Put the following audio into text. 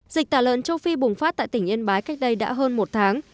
dịch tả lợn châu phi bùng phát tại tỉnh yên bái cách đây đã hơn một tháng